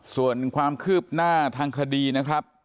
ส่วนความคืบหน้าทางคดีนะครับ